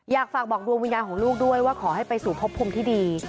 อยากฝากบอกดวงวิญญาณของลูกด้วยว่าขอให้ไปสู่พบภูมิที่ดี